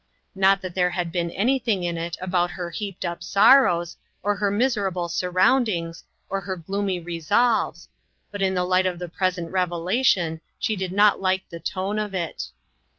Not that there had been anything in it about her heaped up sorrows, or her miserable surroundings, or her gloomy resolves, but in the light of the present revelation she did not like the tone of it.